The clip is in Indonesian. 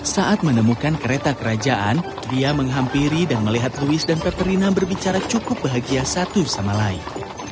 saat menemukan kereta kerajaan dia menghampiri dan melihat louis dan peterna berbicara cukup bahagia satu sama lain